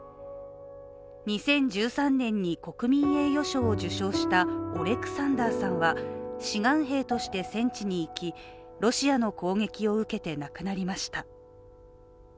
２０１３年に国民栄誉賞を受賞したオレクサンダーさんは志願兵として戦地に行きロシアの攻撃を受けて亡くなりました。